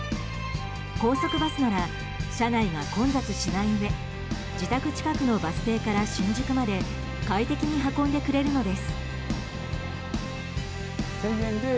高速バスなら車内が混雑しないうえ自宅近くのバス停から新宿まで快適に運んでくれるのです。